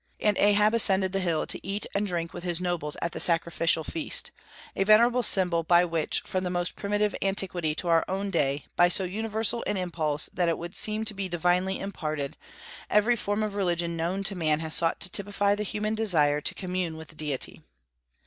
And Ahab ascended the hill, to eat and drink with his nobles at the sacrificial feast, a venerable symbol by which, from the most primitive antiquity to our own day, by so universal an impulse that it would seem to be divinely imparted, every form of religion known to man has sought to typify the human desire to commune with Deity.